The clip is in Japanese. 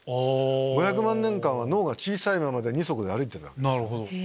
５００万年間は脳が小さいまま二足で歩いてたわけです。